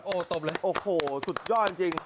โอ้โหสุดยอดจริง